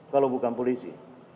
kalau bukan polisi